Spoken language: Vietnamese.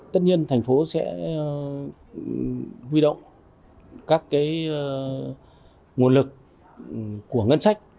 tất nhiên thành phố sẽ huy động các nguồn lực của ngân sách